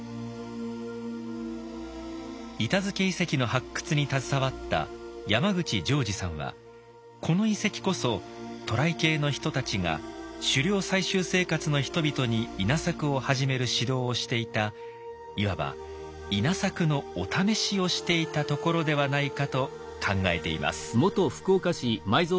板付遺跡の発掘に携わった山口譲治さんはこの遺跡こそ渡来系の人たちが狩猟採集生活の人々に稲作を始める指導をしていたいわば“稲作のお試し”をしていたところではないかと考えています。